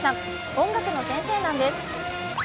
音楽の先生なんです。